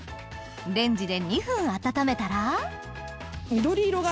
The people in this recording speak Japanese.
レンジで２分温めたら緑色が。